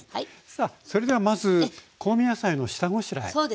さあそれではまず香味野菜の下ごしらえですね。